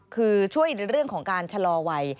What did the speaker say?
คือช่วยในเรื่องของการชะลอวัย